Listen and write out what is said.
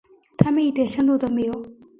他们一点深度都没有。